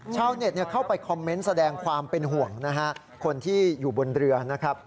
ชาวเน็ตเข้าไปคอมเมนต์แสดงความเป็นห่วงนะฮะคนที่อยู่บนเรือนะครับ